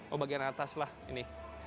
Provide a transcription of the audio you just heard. oh bagian atas lah ini